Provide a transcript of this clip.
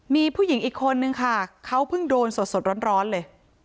มีผู้หญิงอีกคนนึงค่ะเขาเพิ่งโดนสดร้อนเลย